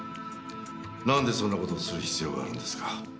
なんでそんな事をする必要があるんですか？